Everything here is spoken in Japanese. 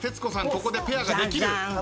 ここでペアができる。